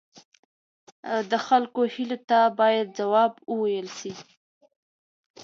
د خلکو هیلو ته باید ځواب وویل سي.